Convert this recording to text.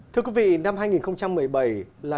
thưa quý vị năm hai nghìn một mươi bảy là